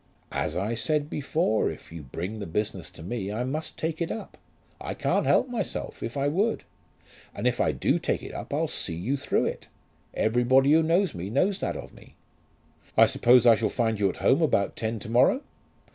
"As I said before, if you bring the business to me I must take it up. I can't help myself, if I would. And if I do take it up I'll see you through it. Everybody who knows me knows that of me." "I suppose I shall find you at home about ten to morrow?"